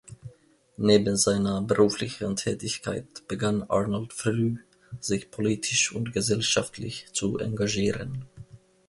Neben seiner beruflichen Tätigkeit begann Arnold früh, sich politisch und gesellschaftlich zu engagieren.